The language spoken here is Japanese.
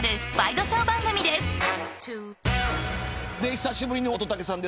久しぶりの乙武さん